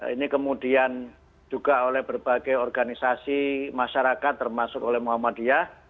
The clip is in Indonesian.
ini kemudian juga oleh berbagai organisasi masyarakat termasuk oleh muhammadiyah